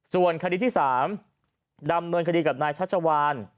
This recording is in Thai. ส่วนคดีที่๓ดำเนินคดีกับนายชัชวาน